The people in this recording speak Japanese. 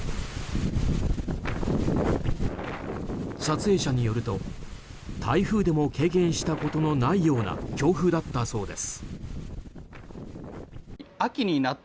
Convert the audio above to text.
撮影者によると台風でも経験したことがないような強風だったそうです。